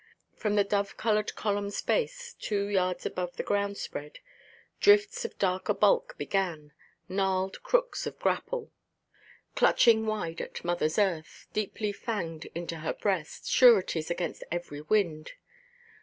From the dove–coloured columnʼs base, two yards above the ground–spread, drifts of darker bulk began, gnarled crooks of grapple, clutching wide at mother earth, deeply fanged into her breast, sureties against every wind.